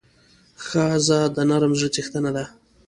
ښځه د نرم زړه څښتنه ده.